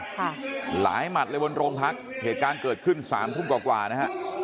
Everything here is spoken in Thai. หลายหมัดเลยบนโรงพักเหตุการณ์เกิดขึ้นสามทุ่มกว่ากว่านะฮะ